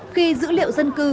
khi dữ liệu dân cư